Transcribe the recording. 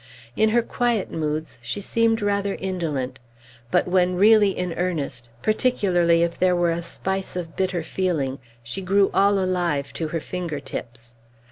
In her quiet moods, she seemed rather indolent; but when really in earnest, particularly if there were a spice of bitter feeling, she grew all alive to her finger tips.